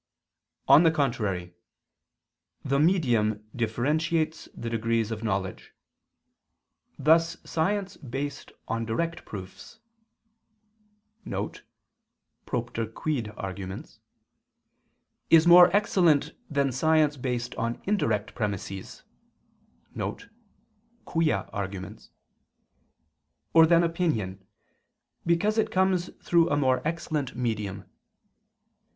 On the contrary, The medium differentiates the degrees of knowledge: thus science based on direct [*_Propter quid_] proofs is more excellent than science based on indirect [*_Quia_] premises or than opinion, because it comes through a more excellent medium.